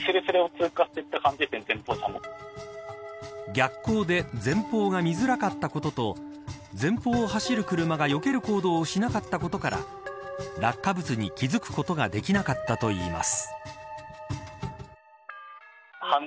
逆光で前方が見づらかったことと前方を走る車がよける行動をしなかったことから落下物に気付くことができなかったといいます。